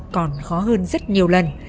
còn khó hơn rất nhiều lần